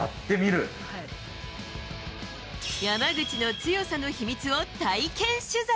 山口の強さの秘密を体験取材。